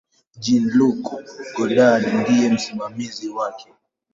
Jean-Luc Godard ndiye msimamizi wake.